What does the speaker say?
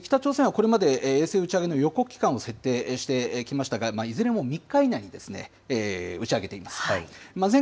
北朝鮮はこれまで、衛星打ち上げの予告期間を設定してきましたが、いずれも３日以内に打ち上げています。